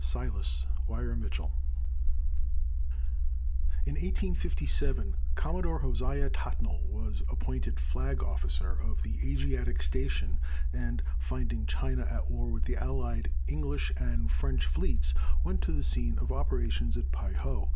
S. WEIR MITCHELL. In 1857 Commodore Josiah Tattnall was appointed flag officer of the Asiatic station, and, finding China at war with the allied English and French fleets, went to the scene of operations at Pei ho.